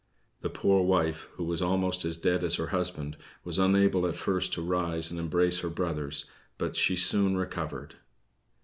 The poor wife, who was almost as dead as her husband, was unable at first to rise and embrace her brothers, but she soon recovered.